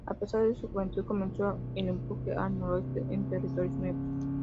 A pesar de su juventud comenzó el empuje al noroeste en territorios nuevos.